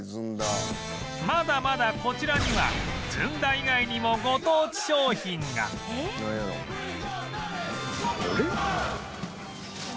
まだまだこちらにはずんだ以外にもご当地商品があれ？